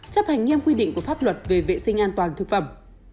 chấp hành nghiêm quy định của pháp luật về vệ sinh an toàn thực phẩm